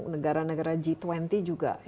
negara negara g dua puluh juga